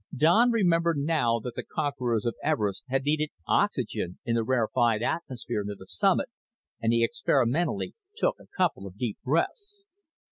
Don remembered now that the conquerors of Everest had needed oxygen in the rarefied atmosphere near the summit and he experimentally took a couple of deep breaths.